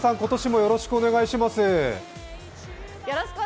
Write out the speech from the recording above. よろしくお願いします！